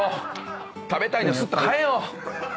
食べたいのすっと買えよ。